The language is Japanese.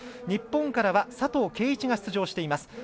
日本からは佐藤圭一が出場しています。